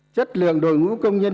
chất lượng đội ngũ công nhân